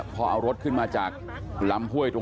พอเอารถขึ้นมาจากลำห้วยทุกวัน